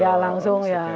ya langsung ya